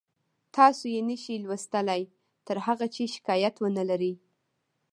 تاسو یې نشئ لوستلی تر هغه چې شکایت ونلرئ